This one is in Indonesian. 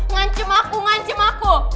ngancam aku ngancam aku